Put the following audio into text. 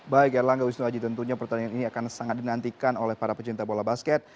baik erlangga wisnuaji tentunya pertandingan ini akan sangat dinantikan oleh para pecinta bola basket